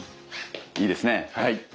いいですねはい。